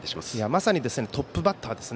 まさにトップバッターです。